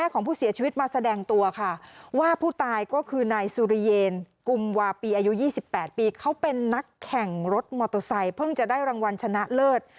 เขาเป็นนักแข่งรถมอโตไซด์เพิ่งจะได้รางวัลชนะเลิศ